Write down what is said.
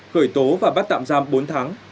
khởi tố và bắt tạm giam bốn tháng